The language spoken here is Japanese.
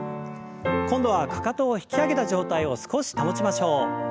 今度はかかとを引き上げた状態を少し保ちましょう。